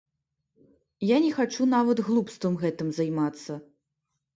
Я не хачу нават глупствам гэтым займацца!